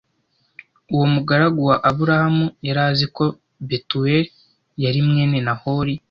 Uwo mugaragu wa Aburahamu yari azi ko Betuweli yari mwene Nahori